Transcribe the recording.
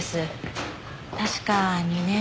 確か２年前。